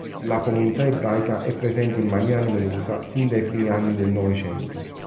La comunità ebraica è presente in maniera numerosa sin dai primi anni del Novecento.